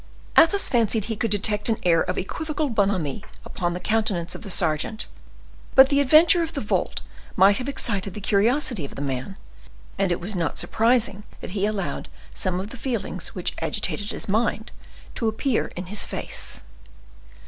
Athos fancied he could detect an air of equivocal bonhomie upon the countenance of the sergeant; but the adventure of the vault might have excited the curiosity of the man, and it was not surprising that he allowed some of the feelings which agitated his mind to appear in his face.